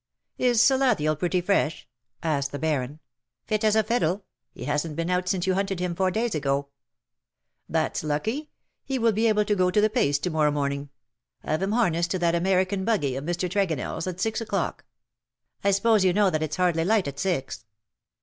" Is Salathiel pretty fresh V asked the Baron. " Fit as a fiddle : he hasn^t been out since you hunted him four days ago.^^ " That's lucky. He will be able to go the pace to morrow morning. Have him harnessed to that American buggy of Mr. TregonelFs at six oclock.^' " I suppose you know that it's hardly light at six.''